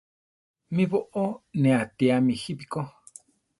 Mí boʼó ne atíame jípi ko.